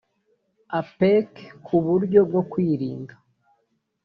apec ku buryo bwo kwirinda